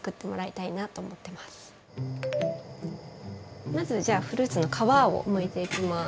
まずじゃあフルーツの皮をむいていきます。